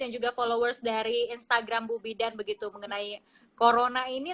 dan juga followers dari instagram bubidan begitu mengenai corona ini